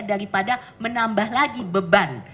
daripada menambah lagi beban